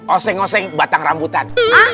oseng oseng batang rambutan